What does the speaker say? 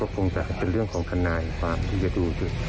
และก็คงจะเป็นเรื่องของทานาญความที่จะรู้สึก